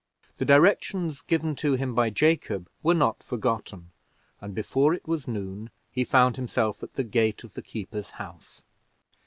The directions given to him by Jacob were not forgotten, and before it was noon he found himself at the gate of the keeper's house.